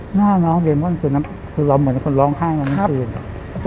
หน้าน้องเดมอนคือล้อมเหมือนคนร้องห้าแล้ว